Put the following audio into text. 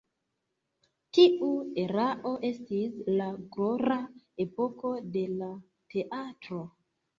Tiu erao estis la glora epoko de la teatro.